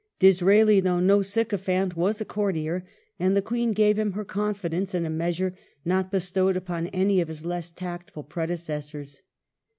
Disraeli, though no sycophant, was a courtier, and the Queen gave him her confidence in a measure not bestowed upon any of his less tactful predecessors.